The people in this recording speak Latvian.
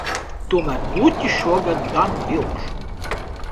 Tomēr bluķi šogad gan vilkšu.